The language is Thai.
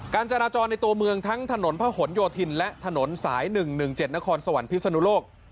จราจรในตัวเมืองทั้งถนนพระหลโยธินและถนนสาย๑๑๗นครสวรรค์พิศนุโลก